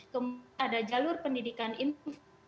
kemudian ada jalur pendidikan itu